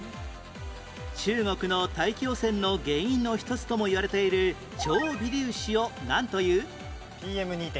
中国の大気汚染の原因の一つともいわれている超微粒子をなんという？